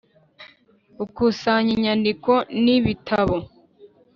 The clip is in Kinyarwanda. ukusanya inyandiko n ibitab